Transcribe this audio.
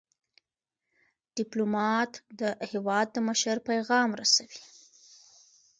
ډيپلومات د هیواد د مشر پیغام رسوي.